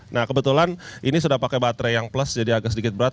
nah kebetulan ini sudah pakai baterai yang plus jadi agak sedikit berat